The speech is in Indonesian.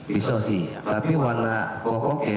pistosi tapi warna pokok ya